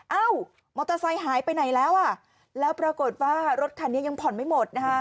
เอ้ามอเตอร์ไซค์หายไปไหนแล้วอ่ะแล้วปรากฏว่ารถคันนี้ยังผ่อนไม่หมดนะคะ